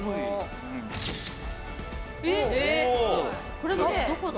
これはどこだ？